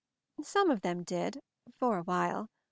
"Some of them did, for a while.